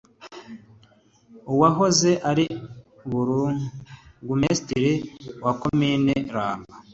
Uwahoze ari Burugumesitiri wa Komine Ramba